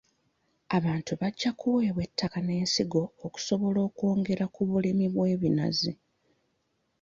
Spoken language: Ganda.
Abantu bajja kuweebwa ettaka n'ensigo okusobola okwongera ku bulimi bw'ebinazi.